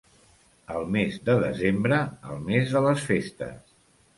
El mes de desembre, el mes de les festes.